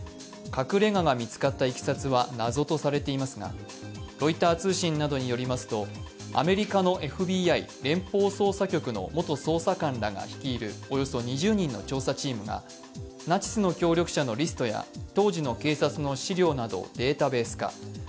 隠れ家が見つかったいきさつは謎とされていますが、ロイター通信などによりますと、アメリカのＦＢＩ＝連邦捜査局の元捜査官らが率いるおよそ２０人の調査チームがナチスの協力者のリストや当時の警察の資料などをデータベース化